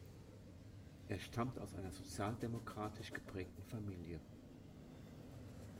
Er stammt aus einer sozialdemokratisch geprägten Familie.